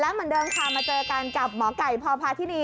แล้วเหมือนเดิมค่ะมาเจอกันกับหมอไก่พพาธินี